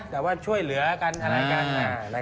แต่ว่าช่วยเหลือกันอะไรกัน